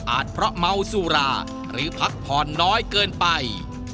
เพราะเมาสุราหรือพักผ่อนน้อยเกินไป